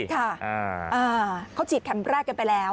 ค่ะเขาฉีดเข็มแรกกันไปแล้ว